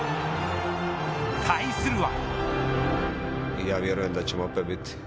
対するは。